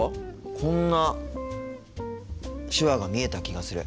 こんな手話が見えた気がする。